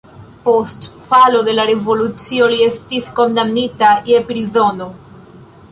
Post falo de la revolucio li estis kondamnita je prizono.